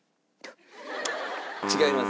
違います。